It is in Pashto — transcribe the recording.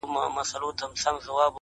د نورو پیغامونو په منځ کې